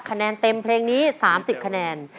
คะแนนเต็มเพลงนี้๓๐คะแนน